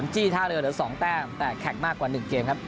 ๕๐จี้ท่าเรือเดี๋ยว๒แต้มแต่แขกมากกว่า๑เกมครับ